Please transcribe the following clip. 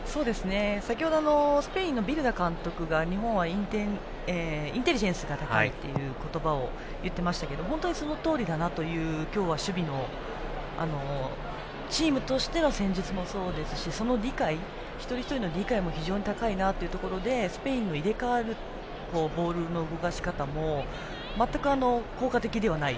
先程、スペインのビルダ監督が日本はインテリジェンスが高いという言葉を言っていましたけど本当にそのとおりだなという今日は守備のチームとしては戦術もそうですしその理解、一人一人の理解も非常に高いなというところでスペインの入れ替わるボールの動かし方も全く効果的ではない。